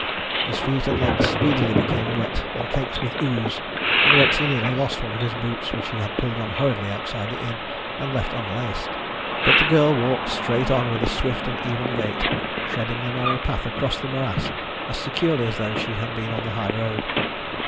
His feet and legs speedily became wet and caked with ooze, and once he nearly lost one of his boots, which he had pulled on hurriedly outside the inn, and left unlaced. But the girl walked straight on with a swift and even gait, treading the narrow path across the morass as securely as though she had been on the high road.